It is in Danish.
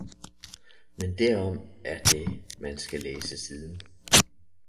Men derom er det man skal læse siden